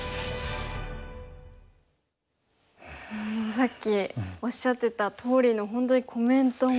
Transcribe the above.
さっきおっしゃってたとおりの本当にコメントもすごいかっこいい。